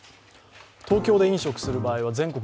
東京で飲食する場合は全国